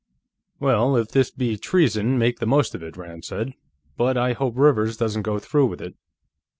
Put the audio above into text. "Well, if this be treason make the most of it," Rand said, "but I hope Rivers doesn't go through with it.